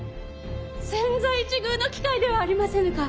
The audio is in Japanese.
千載一遇の機会ではありませぬか。